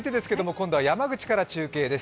今度は山口から中継です。